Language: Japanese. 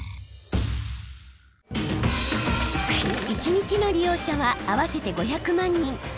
一日の利用者は合わせて５００万人。